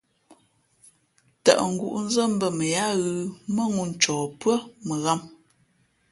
Tαʼ ngǔʼnzά mbᾱ mα yáá ghʉ̌ mάŋū ncɔ pʉ́ά ghǎm.